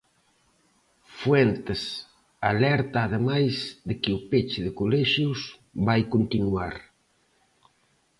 Fuentes alerta ademais de que o peche de colexios "vai continuar".